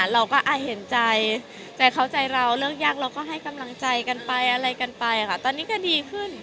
เราก็เห็นใจใจเขาใจเราเลิกยากเราก็ให้กำลังใจกันไปอะไรกันไปค่ะตอนนี้ก็ดีขึ้น